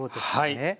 はい。